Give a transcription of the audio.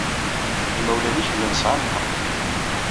Imawlan-ik llan sɛan lḥeqq.